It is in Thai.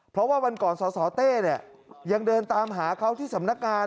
เพราะว่าวันก่อนสสเต้ยังเดินตามหาเขาที่สำนักงาน